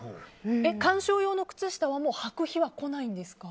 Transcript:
観賞用の靴下ははく日はこないんですか？